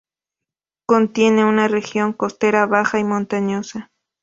Contiene una región costera baja y montañas.